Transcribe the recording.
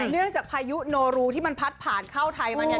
เนื่องจากพยายุโนรุที่พัดผ่านเข้าไทยมา